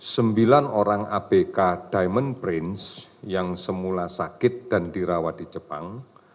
sembilan orang abk diamond prince yang semula sakit dan dirawat di jepang